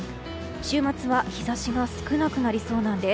週末は日差しが少なくなりそうなんです。